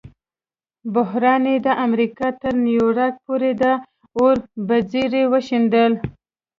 بحران یې د امریکا تر نیویارک پورې د اور بڅري وشیندل.